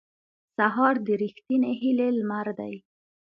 سهار د رښتینې هیلې لمر دی.